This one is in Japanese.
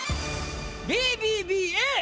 ＢＢＢＡ。